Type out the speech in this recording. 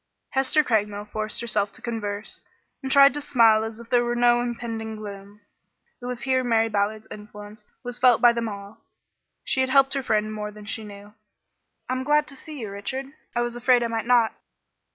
Hester Craigmile forced herself to converse, and tried to smile as if there were no impending gloom. It was here Mary Ballard's influence was felt by them all. She had helped her friend more than she knew. "I'm glad to see you, Richard; I was afraid I might not."